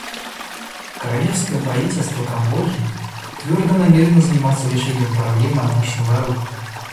Королевское правительство Камбоджи твердо намерено заниматься решением проблемы обычного оружия.